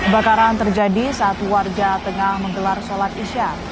bakaran terjadi saat warga tengah menggelar sholat isya